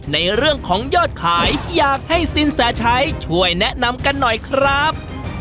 ในเรื่องของยอดขายอยากให้สินแสชัยช่วยแนะนำกันหน่อยครับ